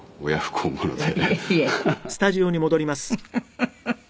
フフフフ！